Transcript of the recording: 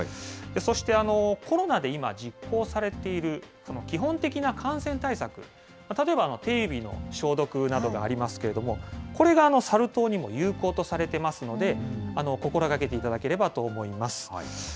そして、コロナで今、実行されている基本的な感染対策、例えば手指の消毒などがありますけれども、これがサル痘にも有効とされていますので、心がけていただければと思います。